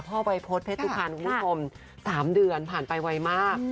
พ่อวัยพศเพชรตุคันอุทธมสามเดือนผ่านไปไวมาก